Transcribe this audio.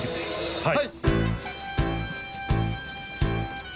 はい。